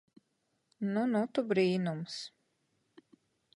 Nu nu tu brīnums.